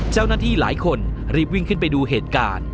เจ้าหน้าที่หลายคนรีบวิ่งขึ้นไปดูเหตุการณ์